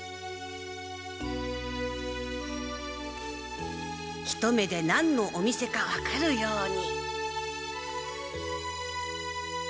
心の声一目で何のお店か分かるように。